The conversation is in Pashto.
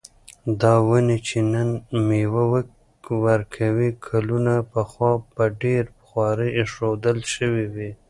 دا ونې چې نن مېوه ورکوي، کلونه پخوا په ډېره خواري ایښودل شوې وې.